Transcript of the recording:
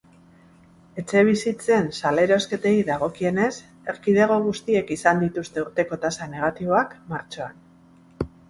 Etxebizitzen salerosketei dagokienez, erkidego guztiek izan dituzte urteko tasa negatiboak martxoan.